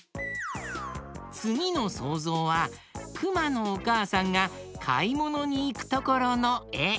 つぎのそうぞうはくまのおかあさんがかいものにいくところのえ。